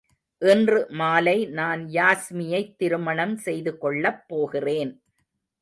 இன்று மாலை நான் யாஸ்மியைத் திருமணம் செய்து கொள்ளப் போகிறேன்.